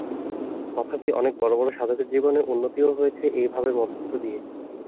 তথাপি অনেক বড় বড় সাধকের জীবনে উন্নতিও হয়েছে এই ভাবের মধ্য দিয়ে।